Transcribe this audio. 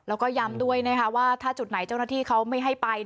แล้วก็ย้ำด้วยนะคะว่าถ้าจุดไหนเจ้าหน้าที่เขาไม่ให้ไป